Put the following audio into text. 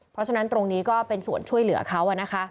เพราะฉะนั้นตรงนี้ก็เป็นส่วนช่วยเหลือเขานะคะ